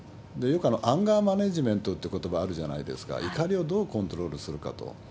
よくアンガーマネジメントってことばあるじゃないですか、怒りをどうコントロールするかと。